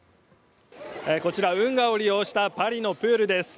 こちら、運河を利用したパリのプールです。